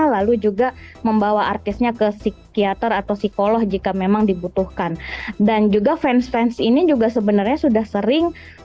lalu juga membawa artisnya ke psikiater atau psikolog jika memang dibutuhkan dan juga fans fans ini juga sebenarnya sudah sering